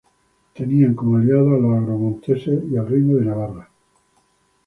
Tenían como aliados a los agramonteses y al reino de Navarra.